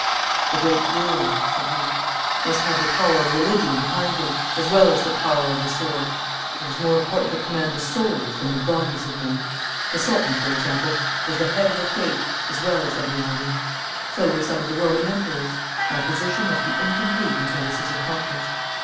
'The great ruler,' said he, 'must have the power of religion behind him as well as the power of the sword. It is more important to command the souls than the bodies of men. The Sultan, for example, is the head of the faith as well as of the army. So were some of the Roman Emperors. My position must be incomplete until this is accomplished.